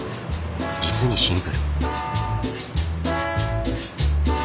実にシンプル。